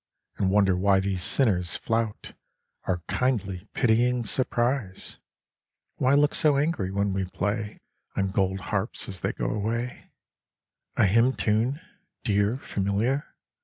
And wonder why these sinners flout Our kindly pitying surprise, Why look so angry when we play On gold harps as they go away, A hymn tune, dear, familiar